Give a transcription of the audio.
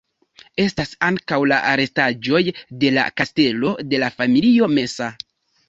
Estas ankaŭ la restaĵoj de la kastelo de la familio Mesa.